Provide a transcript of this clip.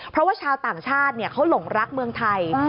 เพราะว่าชาวต่างชาติเขาหลงรักเมืองไทย